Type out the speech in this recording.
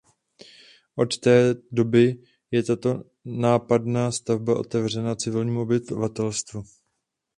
Od té doby je tato nápadná stavba otevřena civilnímu obyvatelstvu.